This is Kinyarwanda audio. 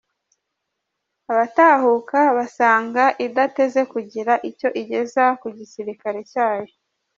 Abatahuka basanga idateze kugira icyo igeza ku gisirikare cyayo